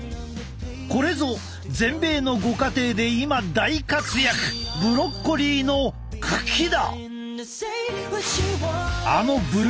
これぞ全米のご家庭で今大活躍ブロッコリーの茎だ！